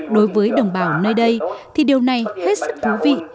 đối với đồng bào nơi đây thì điều này hết sức thú vị